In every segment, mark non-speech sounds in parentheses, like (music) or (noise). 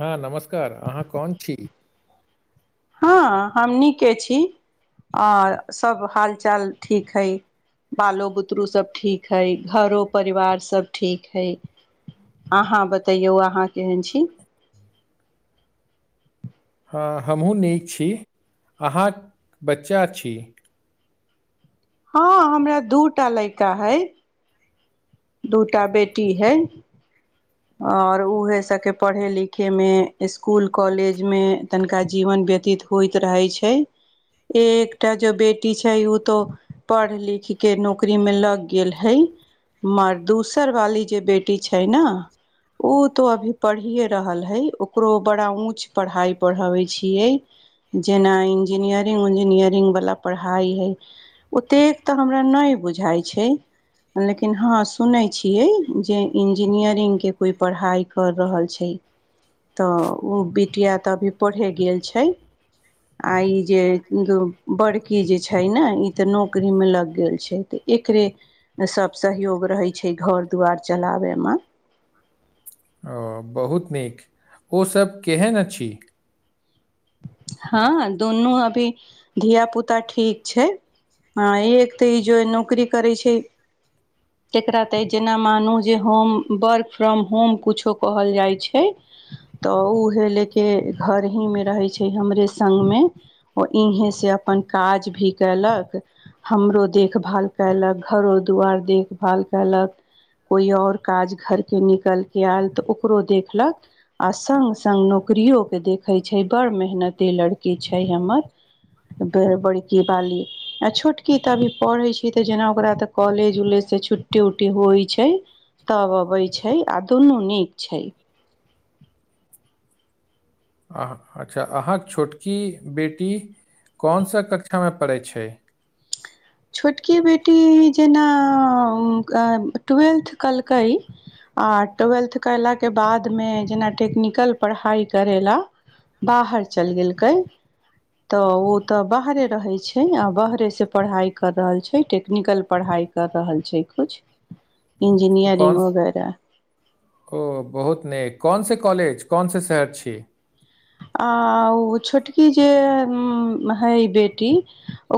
हँ नमस्कार, अहाँ कौन थी? हँ हम नीके छी आर सभ हाल चाल ठीक हइ बालो बुतरु सब ठीक है घरो परिवार सभ ठीक हइ आहाँ बतै आहाँ केहन छी हँ हमहूँ नीक छी अहाँक बच्चा छी हँ हमरा दूटा लैका हइ दूटा बेटी है आ ओहि सभके पढ़ाइ-लिखाइमे, स्कूल-कॉलेजमे तनिका जीवन व्यतीत होइत रहै छै (inaudible) एऽकटा जो बेटी छै ओ तो पढ़ लिखी के नौकरी मे लग गेल हई मर दूसर वाली जे बेटी टी छै ने उ तँ अभीये पढ़िए रहल है, ओकरो बड़ा ऊँच पढ़ाइ पढ़ाबैत छीयै। जेना इंजीनियरिंग-उंजीनियरिंग वला पढ़ाइ है ओतेक तऽ हमरा नहि बुझाइ छै लेकिन हँ सुनै छीयै जे इंजीनियरिंग के कोइ पढ़ाइ कर रहल छै तऽ उ बेटिया तऽ अभी पढ़े गेल छै आ ई जे बड़की जे छै ने ई तऽ नौकरी मे लग गेल छै एकरे सब सहयोग रहै छै घर दुआर चलाबैमे ओ बहुत नीक ओसभ केहन अछि हँ दुनू अभी धिया पुता ठीक छै हँ एक तऽ ई जे नौकरी करै छै जकरा तऽ जेना मानू जे होम वर्क फ्रॉम होम किछो कहल जाइ छै तऽ उ हे ले के घर ही मे रहै छै हमरे संग मे ओ इहे से अपन काज भी कैलक हमरो देखभाल कयलक घरो दुआर देखभाल कयलक कोई आओर काज घर के निकलि कऽ आयल तऽ ओकरो देखलक। आ संग संग नौकरियो के देखैत छै बड़ मेहनते लड़की छै हमर बड़की बाली आ छोटकी तऽ अभी पढ़ैत अछि, तो जेना ओकरा तँ कॉलेज-उलेजसँ छुट्टी-उट्टी होइत छै तब आबैत छै, आ दुनू नीक छै। अ अच्छा अहाँके छोटकी बेटी कोनसँ कक्षामे पढ़ैत छै छोटकी बेटी जेना ट्वेल्थ। कलकै आ ट्वेल्थ कैमरा के बादमे जेना टेक्निकल। कल पढ़ाइ करै लए बाहर चलि गेलकै तऽ ओ तऽ बाहरे रहे छै आ बाहरे से पढ़ाई कर रहल छै टेक्निकल पढ़ाइ कर रहल छै कुछ ओ कल इंजीनियरिंग वगैरह ओ बहुत ने कोनस कॉलेज कोनस शहर छी आ ओ छोटकी जे है बेटी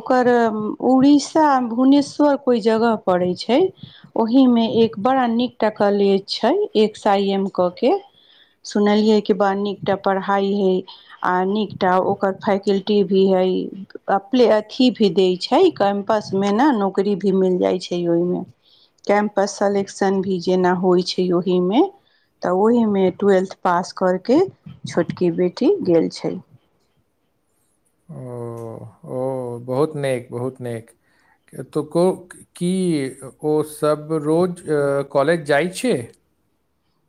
ओकर उड़ीसा भुवनेश्वर कोइ जगह पड़ैत छै ओहि मे एक बड़ा नीक टा कॉलेज छै, एक्स आई एम क के। सुनलियै जे बड्ड नीकटा पढ़ाइ है आ नीकटा ओकर फैकल टी भी हइ अपले अथि भी दै छै कैम्पसमे ने नौकरी भी मिल जाइ छै ओहिमे कैम्पस सेलेक्शन भी जेना होइ छै ओहीमे। तऽ ओहीमे ट्वेल्थ पास कऽ कऽ छोटकी बेटी गेल छै। ओ ओ बहुत निक बहुत निक एतूको की ओ सभ रोज कॉलेज जाइत छै?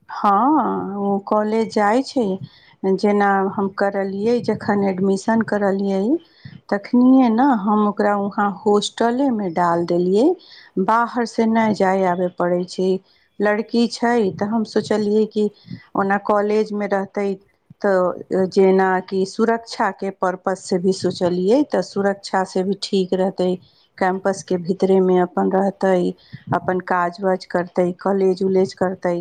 हँ, ओ कॉलेज जाइत छै। जेना हम करलियै जखन एडमिशन करलियै तखनिए न हम ओकरा ओहां होस्ट टले में डाल देलिये बाहर से न जाय आबे परै छै लड़की छै तऽ हम। सोचलियै की ओना कॉलेजमे रहैत तऽ जेना। कि सुरक्षा के परपस से जे भी सोचलियै तँ सुरक्षा लेल सेहो ठीक रहतै। कैम्पस के भीतरे मे अपन रहतई अपन काज वज करतै कॉलेज उलेज करतै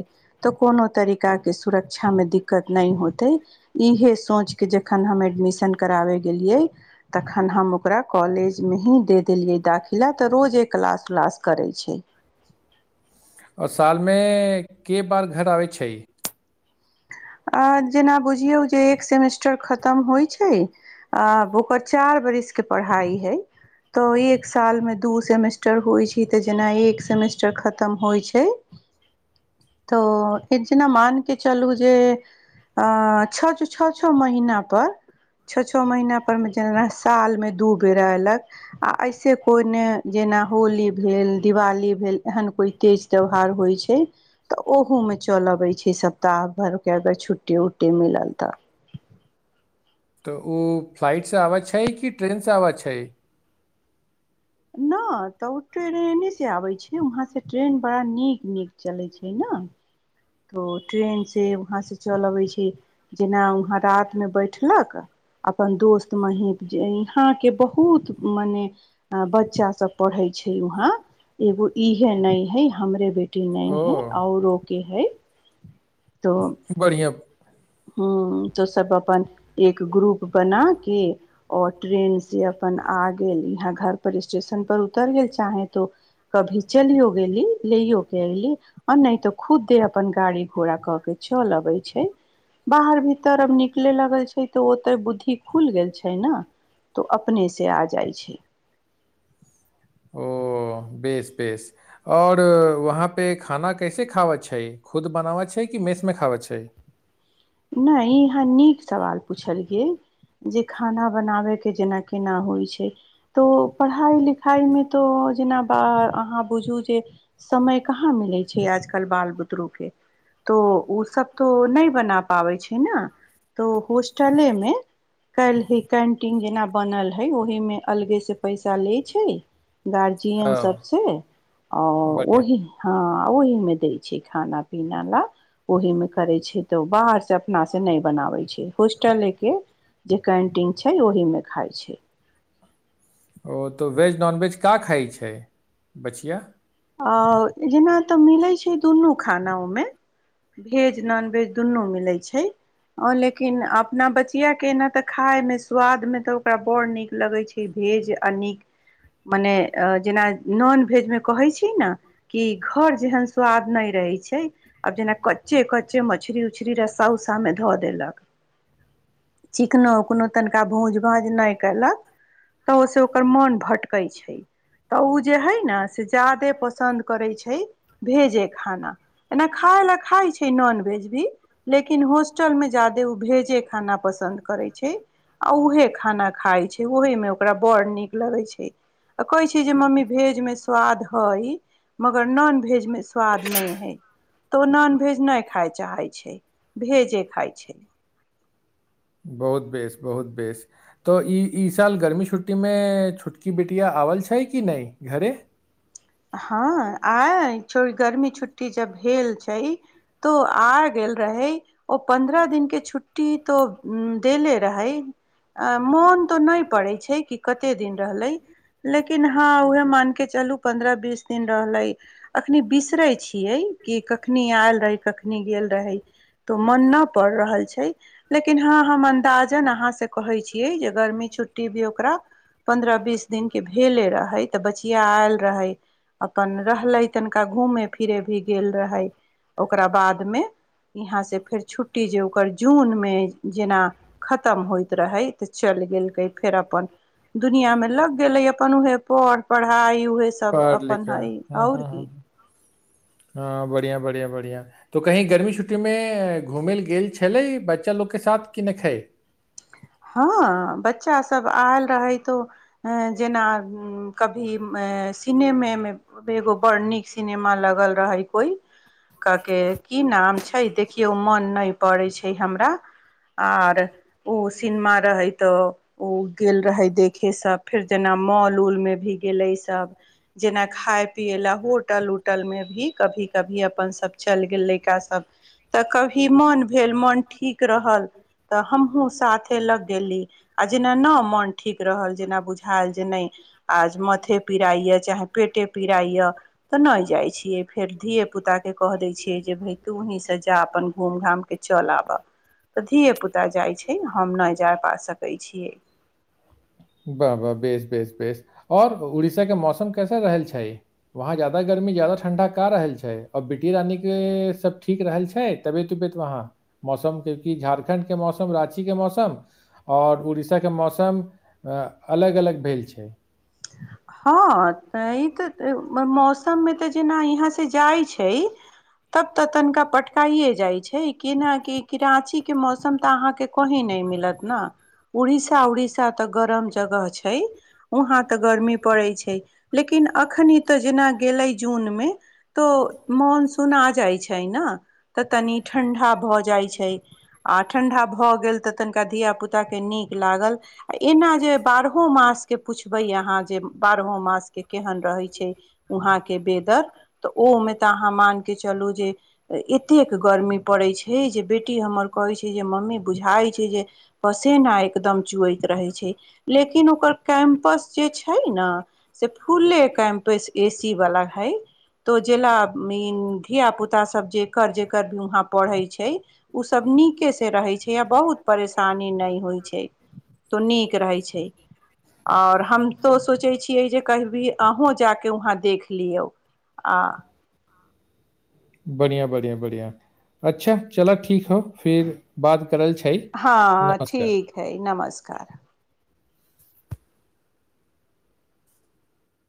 तऽ कोनो तरीकाके सुरक्षामे दिक्कत नहि होतै इएह सोचि कऽ जखन हम एडमिशन कराबै गेलियै तखन हम ओकरा कॉलेज में ही दे देलियै दाखिल त रोजे क्लास-उलास करै छै। आओ सालमे के बार घर आबैत छै आ जेना बुझियौ जे एक सेमेस्टर खतम होइत छै। अ ओकर चार बरिस के पढ़ाई है तऽ एक साल में दू सेमेस् टर होई छै तऽ जेना एक सेमेस्टर खतम हो छै तऽ जेना मान के चलू जे अ छठ छो छो महीना पर छो छो महीना पर मे जेना साल मे दू बेरा अयलक आ इसे कोइ ने जेना होली भेल दिवाली भेल एहन कोइ तेज त्यौहार होइत छै तऽ ओहोमे चल अबैत छै सप्ताह भर के अगर छुट्टी उट्टी मिलल तऽ तऽ ओ फ्लाइटसँ आबैत छै कि ट्रेनसँ आबैत छै नहि तऽ ओ ट्रेने से आबैत छै वहाँ से ट्रेन बड़ा नीक नीक चलैत छै ने तऽ ट्रेन से वहाँ से चल अबै छै जेना वहाँ रातमे बैठलक अपन दोस्त महीप जे यहाँके बहुत मने अ बच्चा सब पढ़ै छै वहाँ एगो इहे नै है हमरे बेटी नै ओ है औरो के है तऽ बढ़िआँ हूं तो सब अपन एक ग्रुप बना के और ट्रेन से अपन आ गेल यहाँ घर पर स्टेशन पर उतर गेल चाहे तो कभी चलियो गेली लेयो के अयली आ नहि तो खुद्दे अपन गाड़ी घोड़ा क के चल अबै छै बाहर भीतर अब निकले लगल छै तऽ ओते बुद्धि खुलि गेल छै ने तऽ ओ अपनेसँ आ जाइ छै ओ बेस बेस और वहाँ पे खाना कैसे खावा छै खुद बनावा छै कि मेसमे खावा छै नहि इहाँ नीक सवाल पूछलियै जे खाना बनाबयके जेना केना होइ छै तो पढ़ाइ लिखाइमे तऽ जेना ब अहाँ बुझू जे समय कहाँ मिलै छै आजकल बाल बुतरू के तो ओ सब तो नहि बना आबय छै ना तो हॉस्टले मे काल्हि कैंटीन जेना बनल हय ओहिमे अलगेसँ पैसा लै छै गार्जियन ओ सबसँ आ बढ़िआँ ओही हँ ओहि में दै छै खाना पीना ला ओहि मे करे छै तऽ बाहर अपना से नहि बनावे छै होस्टल के जे कैंटीन छै ओहि मे खााय छै ओ तऽ वेज नॉनवेज का खाइ छै बचिआ आ जेना तऽ मिलैत छै दुनू खाना ओहिमे भेज नॉनवेज दुनु मिलैत छै लेकिन अपना बची किया के एना तऽ खाायमे स्वादमे तऽ ओकरा बड़ नीक लगै छै भेज आ नीक मने जेना नॉन भेज मे कहैत छी ने कि घर जेहन स्वाद नहि रहै छै आब जेना कच्चे कच्चे मछरी उछरी रस्सा उस्सा मे धऽ देलक ह चीकनो उकोनो तनि त भूंज भाज नहि केलक तऽ ओय से ओकर मोन भटकै छै तऽ ओ जे हइ ने से ज्यादे पसन्द करै छै भेजे खाना एना खाय लए खाइ छै नॉनवेज भी लेकिन होॉस्टल मे ज्यादे ओ भेजे खाना पसन्द करैत छै आ उहे खाना खाइ छै ओहेमे ओकरा बड़ नीक लगै छै अ कहे छी जे मम्मी भेज मे स्वाद हय मगर नॉन भेज मे स्वाद नहि है तो ओ नॉन भेज नहि खाय चाहय छै भेजे खाइ छै बहुत बेस बहुत बेस तऽ ई ई साल गर्मी छुट्टीमे छोटकी बेटिया आओल छै कि नहि घरे हँ आयल जब गर्मी छुट्टी जब भेल छै तो आ गेल रहै ओ पन्द्रह दिन के छुट्टी तो देले रहे अ मोन तऽ नहि पड़ै छै कि कते दिन रहलै लेकिन हँ उह मान के चलू पन्द्रह बीस दिन रहले अखनी बिसरे छियै कि कखनी आयल रहै कखनी कखनी गेल रहै तो मन न पड़ रहल छै लेकिन हँ हम अन्दाजन अहाँ से कहै छियै जे गर्मी छुट्टी भी ओकरा पन्द्रह बीस दिन के भेले रहे ते बचिया आयल रहै अपन रहले तनिका घूमे फिर फिरे भी गेल रहै ओकरा बाद मे यहाँसँ फेर छुट्टी जे ओकर जूनमे जेना खतम होइत रहै तऽ चलि गेलकै फेर अपन दुनिया मे लग गेले अपन उऊहे पढ़ पढ़ाई उहे सब पढ़ अपन लिखऽ हइ ह आओर ह ह की हँ बढ़िया बढ़िया बढ़िया तऽ कहीँ गर्मी छुट्टीमे घूमय लेलए गेल छलै बच्चा लोकके साथ कि नहि खै हँ बच्चा सब आयल रहैत तो ह जेना कभी सिनेमामे एगो बड़ नीक सिनेमा लगल रहै कोई कऽ कऽ की नाम छै देखियौ मोन नहि पड़ै छै हमरा आर ओ सिनेमा तऽ ओ गेल रहे देखे सब फेर जेना मॉल उल मे भी गेले तब जेना खाय पियए ला होटल उटल में भी कभी कभी अपन सब चल गेल लड़का सब तऽ कभी मन भेल मन ठीक रहल त हमहु साथ से लग गेली आ जेना ने मोन ठीक रहल जेना बुझायल जे नहि आज माथे पीड़इए चाहे पेटे पीड़ाइए तऽ नहि जाइ छियै फेर धिये पुता के कह दै छियै जे भाय तू वहीं से जा अपन घूम घामके चल आबऽ तऽ धिय पुता जाइ छै हम नहि जा पा सकय छियै वाह वाह बेस बेस बेस आओर उड़ीसा के मौसम कैसा रहल छै वहाँ ज्यादा गर्मी ज्यादा ठंडा का रहल छै आऔर बेटी रानी के सब ठीक रहल छै तबियत उबत वहाँ मौसम के की झारखण्ड के मौसम राँची के मौसम आओर उड़ीसाके मौसम अलग अलग भेल छै हँ तऽ ई तऽ मौसममे तऽ जेना यहाँ से जाइ छै तब तऽ तनिका पटकाइे जाइ छै किनााक कि राँची के मौसम तऽ अहा के कही नहि मिलत ने उड़ीसा उड़ीसा तऽ गरम जगह छै वहाँ तऽ गर्मी पड़ै छै लेकिन एखन तऽ जेना गेलै जूनमे तो मनसून आ जाइ छै ने तऽ तनी ठंडा भऽ जाइ छै आ ठंढा भऽ गेल तऽ तनिका धिय पुताके नीक लागल आ एना जे बारहो मासके पुछबै अहाँ जे बरहो मास के केहन रहय छै वहाँ के वेदर त उ मे त अहाँ मानिके चलू जे एतेक गर्मी पड़ैत छै जे बेटी हमर कहैत छै जे मम्मी बुझाइत छै जे पसीना न एकदम चुएैत रहे छै लेकिन ओकर कैम्पस जे छै छै ना से फूले कैंपस एसी वाला हई तो जेला ई धियापुताासभ जेकर जेकर भी वहाँ पढ़ै छै उ सभ नीकेसँ रहैत छै आ बहुत परेशानी नहि होइत छै तो नीक रहै छै आओर हम तो सोचै छियै जे कहबी अहूँ जाके वहाँ देख लियौ आ हँ बढ़िया बढ़िया बढ़िया अच्छा चल ठीक हो फिर बात करल छै नमस्कार है नमस्कार